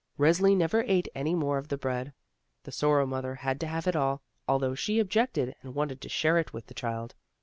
Resli never ate any more of the bread. The Sorrow mother had to have it all, although she objected and wanted to share it with the child.